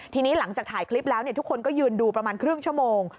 ทีนี้หลังจากถ่ายคลิปแล้วทุกคนก็ยืนดูประมาณครึ่งชั่วโมง